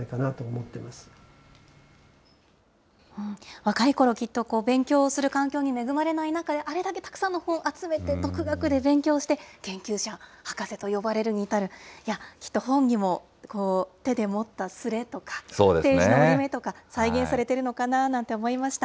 若いころ、きっと勉強する環境に恵まれない中で、あれだけたくさんの本を集めて、独学で勉強して、研究者、博士と呼ばれるに至る、いや、きっと本にも手で持ったすれとか、ページのよれとか、再現されてるのかななんて思いました。